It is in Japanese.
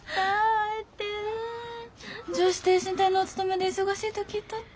女子挺身隊のおつとめで忙しいと聞いとった。